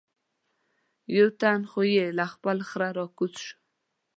یو تن خو یې له خپل خره را کوز شو.